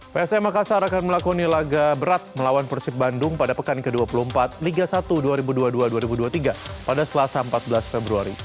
psm makassar akan melakoni laga berat melawan persib bandung pada pekan ke dua puluh empat liga satu dua ribu dua puluh dua dua ribu dua puluh tiga pada selasa empat belas februari